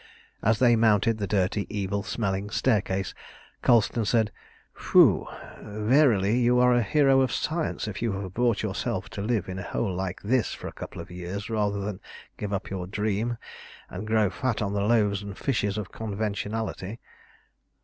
As they mounted the dirty, evil smelling staircase, Colston said "Phew! Verily you are a hero of science if you have brought yourself to live in a hole like this for a couple of years rather than give up your dream, and grow fat on the loaves and fishes of conventionality."